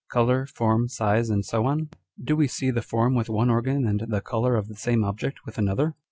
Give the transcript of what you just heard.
colour, form, size, and so on? Do we see the form with one organ and the colour of the same object with another?